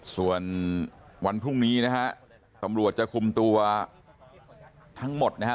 ส่วนวันพรุ่งนี้นะฮะตำรวจจะคุมตัวทั้งหมดนะฮะ